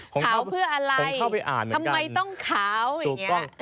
ขาวเพื่ออะไรทำไมต้องขาวอย่างนี้